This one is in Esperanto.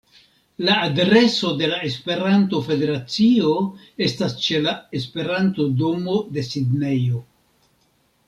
La adreso de la Esperanto-Federacio estas ĉe la Esperanto-domo de Sidnejo.